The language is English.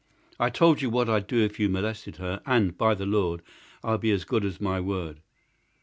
I told you what I'd do if you molested her, and, by the Lord, I'll be as good as my word!"